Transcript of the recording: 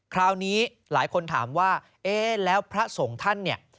คราวนี้หลายคนถามว่าเอ๊ะแล้วพระสงฆ์ท่านเนี่ย